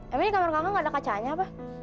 emang ini kamar kakak gak ada kacanya apa